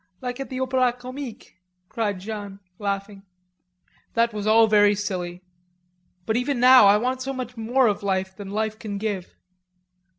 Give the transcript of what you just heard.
"Like at the Opera Comique," cried Jeanne laughing. "That was all very silly. But even now, I want so much more of life than life can give."